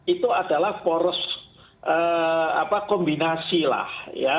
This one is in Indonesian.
itu adalah poros kombinasi lah